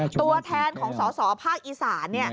ตัวแทนของสอสอภาคอีสาน